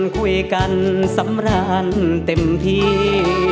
คุยกันสำราญเต็มที่